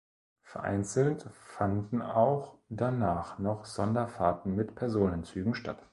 Vereinzelt fanden auch danach noch Sonderfahrten mit Personenzügen statt.